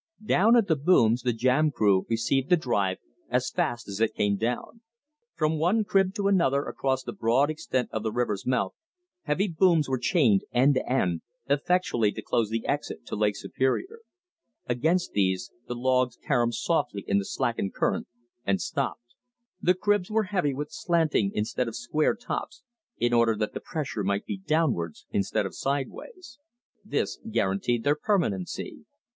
Down at the booms the jam crew received the drive as fast as it came down. From one crib to another across the broad extent of the river's mouth, heavy booms were chained end to end effectually to close the exit to Lake Superior. Against these the logs caromed softly in the slackened current, and stopped. The cribs were very heavy with slanting, instead of square, tops, in order that the pressure might be downwards instead of sidewise. This guaranteed their permanency.